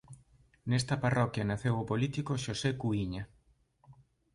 Nesta parroquia naceu o político Xosé Cuíña.